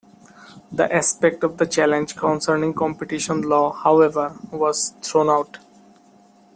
The aspect of the challenge concerning competition law however, was thrown out.